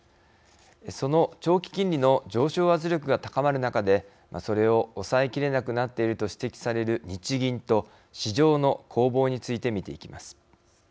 その長期金利の上昇圧力が高まる中でそれを抑えきれなくなっていると指摘される日銀と市場の攻防について見ていきます。